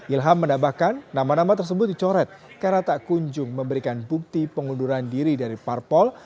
ilham menambahkan nama nama tersebut dicoret karena tak kunjung memberikan bukti pengunduran diri dari parpol